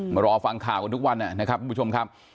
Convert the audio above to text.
มารอฟังข่าวกันทุกวันนะครับทุกผู้ชมครับ